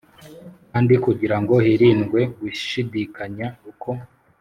Kandi kugira ngo hirindwe gushidikanya uko